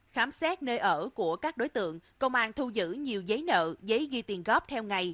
khám xét nơi ở của các đối tượng công an thu giữ nhiều giấy nợ giấy ghi tiền góp theo ngày